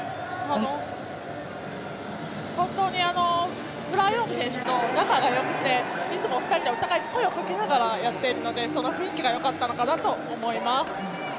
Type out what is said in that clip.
本当にフラー・ヨング選手と仲がよくていつも２人でお互い声をかけながらやっていたのでその雰囲気がよかったのかなと思います。